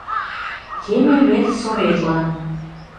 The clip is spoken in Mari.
Теме вет Советлан;